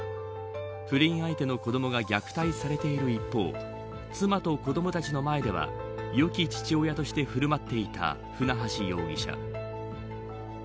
不倫相手の子どもが虐待されている一方妻と子どもたちの前では良き父親として振る舞っていた船橋容疑者。